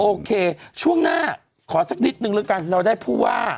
โอเคช่วงหน้าขอสักนิดนึงแล้วกันเราได้ผู้ว่า